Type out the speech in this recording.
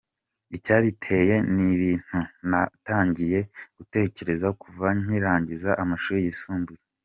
Icyabinteye n’ibintu natangiye gutekerezaho kuva nkirangiza amashuri yisumbuye.